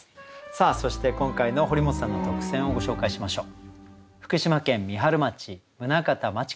さあそして今回の堀本さんの特選をご紹介しましょう。